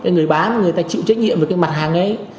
người bán người ta chịu trách nhiệm về cái mặt hàng ấy